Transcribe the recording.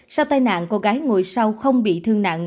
sau tai nạn cô gái ngồi sau không bị thương nặng